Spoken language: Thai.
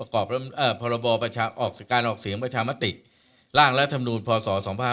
การออกเสียงประชามาติร่างและธรรมดูลพศ๒๕๕๙